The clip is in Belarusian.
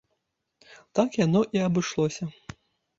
Так яно і абышлося.